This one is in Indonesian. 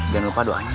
jangan lupa doanya